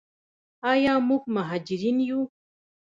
آیا موږ مهاجرین یو؟